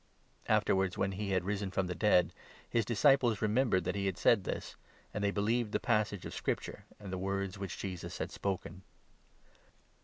After 21, wards, when he had risen from the dead, his disciples remem bered that he had said this ; and they believed the passage of Scripture, and the words which Jesus had spoken.